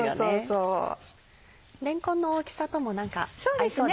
れんこんの大きさとも何か合いそうですね。